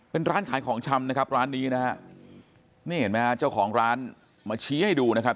เป็นร้านขายของชำนะครับร้านนี้นะฮะนี่เห็นไหมฮะเจ้าของร้านมาชี้ให้ดูนะครับ